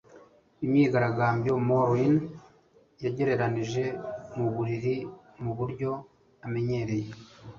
imyigaragambyo, maureen yegeranije mu buriri muburyo amenyereye